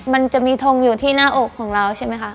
มันจะมีทงอยู่ที่หน้าอกของเราใช่ไหมคะ